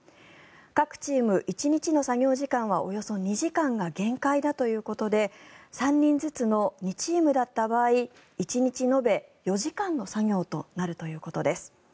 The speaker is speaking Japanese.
各チーム１日の作業時間はおよそ２時間が限界だということで３人ずつの２チームだった場合１日延べ４時間の作業となるということです。